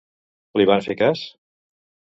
Li van fer cas?